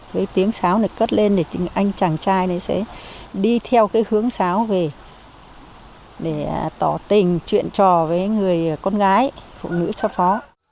cái tiếng sáo này cất lên để anh chàng trai này sẽ đi theo cái hướng sáo về để tỏ tình chuyện trò với người con gái phụ nữ xa phó